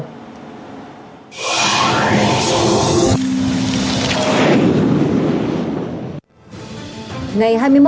hà nội hà nội hà nội